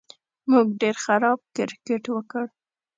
موږ ډېر خراب کرېکټ وکړ